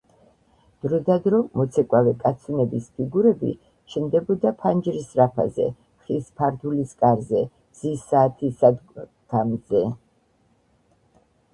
დროდადრო მოცეკვავე კაცუნების ფიგურები ჩნდებოდა ფანჯრის რაფაზე, ხის ფარდულის კარზე, მზის საათის სადგმაზე.